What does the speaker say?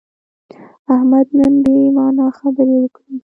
احمد نن بې معنا خبرې وکړې.